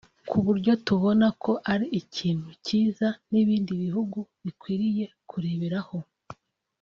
ku buryo tubona ko ari ikintu cyiza n’ibindi bihugu bikwiriye kureberaho